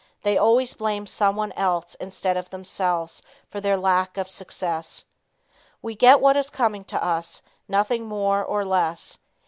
They always blame someone else instead of themselves for their lack of success. We get what is coming to us, nothing more or less.